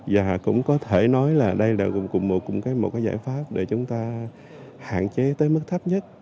và cũng có thể nói là đây là một giải pháp để chúng ta hạn chế tới mức thấp nhất